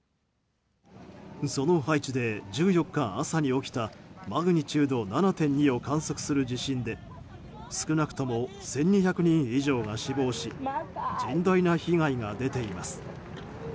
そのハイチで１４日朝に起きたマグニチュード７．２を観測する地震で少なくとも１２００人以上が死亡し甚大な被害が出ています。